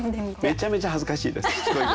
めちゃめちゃ恥ずかしいです。